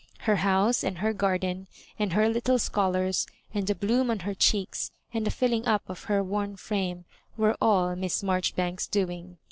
Her house, and her gar den, and her little scholars, and the bloom on her cheeks, and the fiUing up of her worn frame, were all Miss Maijoribanks's doing.